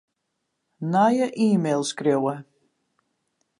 Nije e-mail skriuwe.